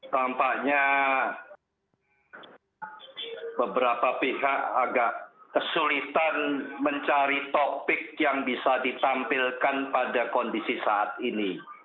tampaknya beberapa pihak agak kesulitan mencari topik yang bisa ditampilkan pada kondisi saat ini